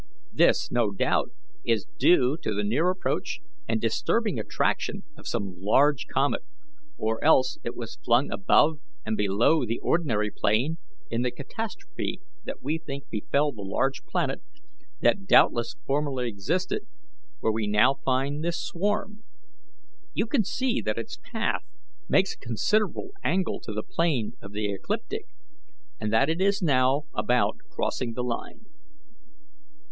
This no doubt is due to the near approach and disturbing attraction of some large comet, or else it was flung above or below the ordinary plane in the catastrophe that we think befell the large planet that doubtless formerly existed where we now find this swarm. You can see that its path makes a considerable angle to the plane of the ecliptic, and that it is now about crossing the line."